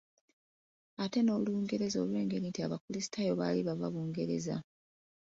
Ate n’Olungereza olw’engeri nti abakulisitaayo baali bava Bungereza.